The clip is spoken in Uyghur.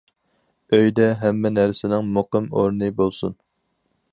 ئۆيدە ھەممە نەرسىنىڭ مۇقىم ئورنى بولسۇن.